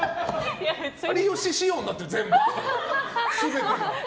有吉仕様になっている、全部。